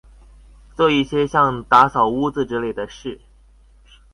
做一些像打掃屋子之類的事